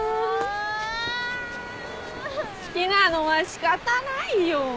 好きなのは仕方ないよ。